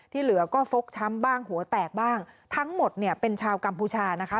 เหลือก็ฟกช้ำบ้างหัวแตกบ้างทั้งหมดเนี่ยเป็นชาวกัมพูชานะคะ